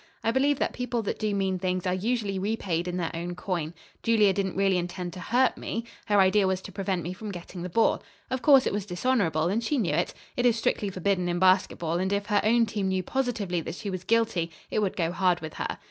I believe that people that do mean things are usually repaid in their own coin. Julia didn't really intend to hurt me. Her idea was to prevent me from getting the ball. Of course it was dishonorable and she knew it. It is strictly forbidden in basketball, and if her own team knew positively that she was guilty, it would go hard with her.